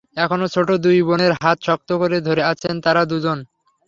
এখনো ছোট দুই বোনের হাত শক্ত করে ধরে আছেন তাঁরা দুজন।